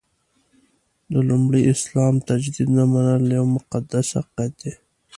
د لومړي اسلام تجدید نه منل یو مقدس حقیقت دی.